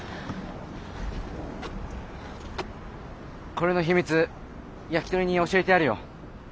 これの秘密ヤキトリに教えてやるよ。